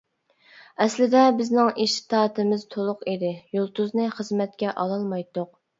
-ئەسلىدە بىزنىڭ ئىشتاتىمىز تولۇق ئىدى، يۇلتۇزنى خىزمەتكە ئالالمايتتۇق.